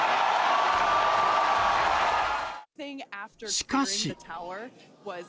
しかし。